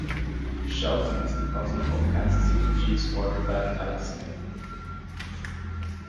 Shelton is the cousin of Kansas City Chiefs quarterback Alex Smith.